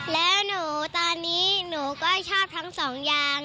แล้วหนูตอนนี้หนูก็ชอบทั้งสองอย่าง